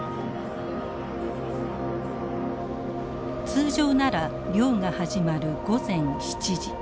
通常なら漁が始まる午前７時。